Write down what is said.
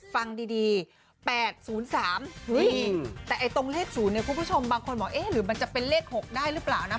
ฟังดี๘๐๓นี่แต่ตรงเลข๐เนี่ยคุณผู้ชมบางคนบอกเอ๊ะหรือมันจะเป็นเลข๖ได้หรือเปล่านะ